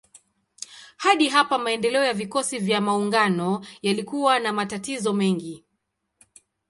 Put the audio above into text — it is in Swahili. Hadi hapa maendeleo ya vikosi vya maungano yalikuwa na matatizo mengi.